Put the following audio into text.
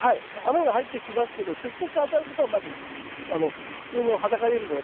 雨が入ってきますけど直接当たることはまず普通の裸よりも少ないですよね。